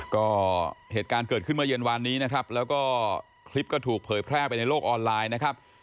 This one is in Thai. ก็เหตุการณ์เกิดขึ้นเมื่อเย็นวานนี้นะครับแล้วก็คลิปก็ถูกเผยแพร่ไปในโลกออนไลน์นะครับ